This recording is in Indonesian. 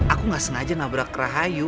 aku gak sengaja nabrak rahayu